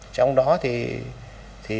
trong đó thì phải